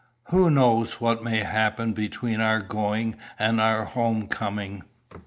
"Who knows what may happen between our going and our home coming?